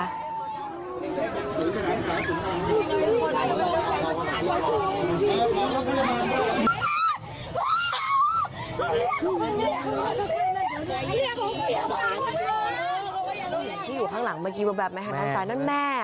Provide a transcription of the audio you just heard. ลูกหญิงที่อยู่ข้างหลังเมื่อกี้แบบแม่หันอาจารย์นั่นแม่